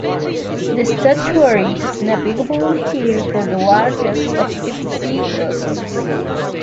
The estuary is navigable here for the largest of deep-sea vessels.